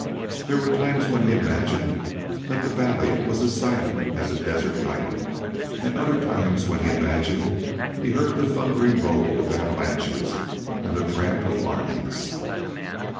There were times when he imagined the valley was as silent as the desert night, and other times when he imagined he heard the thundering roll of avalanches and the tramp of armies.